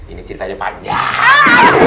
ini ceritanya panjang